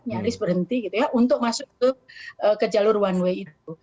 nyaris berhenti untuk masuk ke jalur one way itu